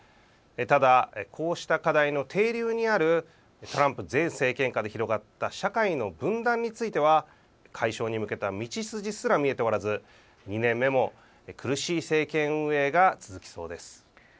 ただ、こうした課題の底流にあるトランプ前政権下での社会の分断については解消に向けた道筋すら見えておらず２年目も、苦しい政権運営が続きそうです。